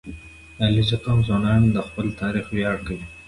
• د علیزي قوم ځوانان د خپل تاریخ ویاړ کوي.